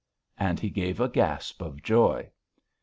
And he gave a gasp of joy.